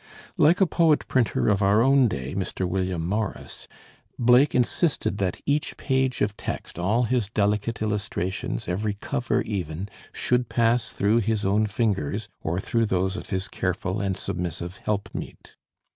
Like a poet printer of our own day, Mr. William Morris, Blake insisted that each page of text, all his delicate illustrations, every cover even, should pass through his own fingers, or through those of his careful and submissive helpmeet.